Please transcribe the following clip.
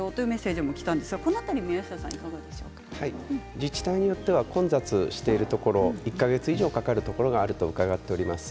自治体によっては混雑しているところ１か月以上かかるところがあると伺っております。